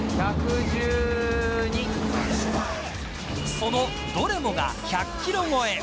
そのどれもが１００キロ超え。